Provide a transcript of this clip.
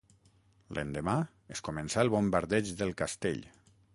L'endemà es començà el bombardeig del castell.